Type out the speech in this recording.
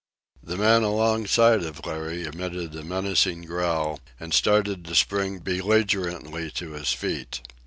The man alongside of Larry emitted a menacing growl and started to spring belligerently to his feet.